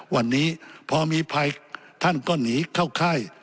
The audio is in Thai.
วันนี้พอมีภัยท่านก็หนีเข้าค่าย